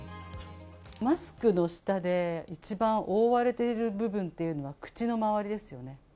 マスクの下で一番覆われている部分っていうのは、口の周りですよね。